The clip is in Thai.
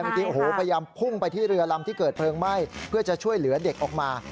ที่โอ้โหพยายามพุ่งไปที่เรือลำที่เกิดเพลิงไหม้เพื่อจะช่วยเหลือเด็กออกมา